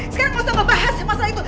sekarang kau bisa ngebahas masalah itu